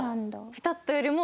ピタッとよりも。